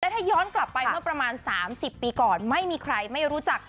ถ้าย้อนกลับไปเมื่อประมาณ๓๐ปีก่อนไม่มีใครไม่รู้จัก